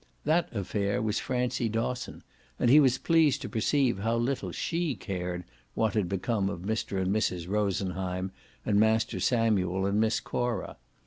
That affair was Francie Dosson, and he was pleased to perceive how little SHE cared what had become of Mr. and Mrs. Rosenheim and Master Samuel and Miss Cora.